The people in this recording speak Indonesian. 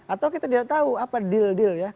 atau kita tidak tahu apa deal deal ya